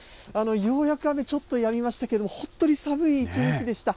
ようやく雨、ちょっとやみましたけれども、本当に寒い一日でした。